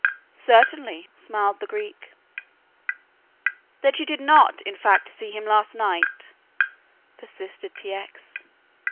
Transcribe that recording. "Certainly," smiled the Greek. "That you did not in fact see him last night," persisted T. X.